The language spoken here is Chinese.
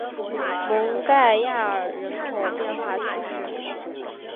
蒙盖亚尔人口变化图示